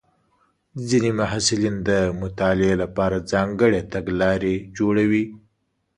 ځینې محصلین د مطالعې لپاره ځانګړې تګلارې جوړوي.